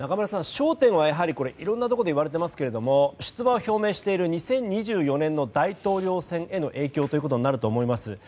焦点はやはりいろんなところでいわれていますが出馬を表明している２０２４年の大統領選への影響ということになると思います。